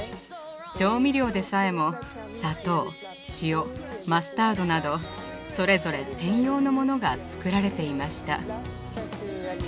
調味料でさえも砂糖塩マスタードなどそれぞれ専用のモノが作られていました。